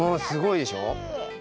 すごいでしょ？